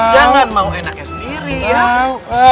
jangan mau enaknya sendiri ya